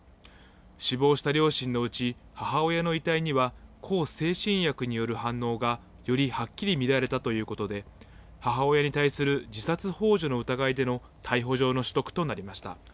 死亡した両親のうち母親の遺体には、向精神薬による反応がよりはっきり見られたということで、母親に対する自殺ほう助の疑いでの逮捕状の取得となりました。